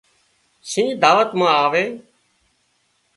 شينهن دعوت مان آوي